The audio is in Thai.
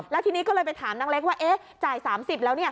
แล้วทีนี้ก็เลยไปถามนางเล็กว่าจ่าย๓๐แล้ว